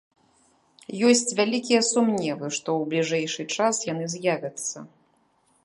Ёсць вялікія сумневы, што ў бліжэйшы час яны з'явяцца.